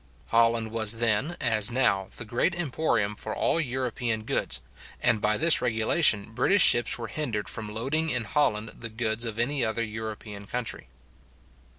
Holland was then, as now, the great emporium for all European goods; and by this regulation, British ships were hindered from loading in Holland the goods of any other European country.